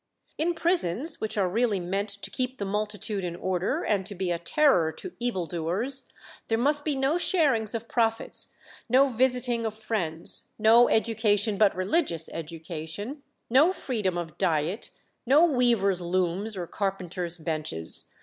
"In prisons, which are really meant to keep the multitude in order, and to be a terror to evil doers, there must be no sharings of profits, no visiting of friends, no education but religious education, no freedom of diet, no weavers' looms or carpenters' benches.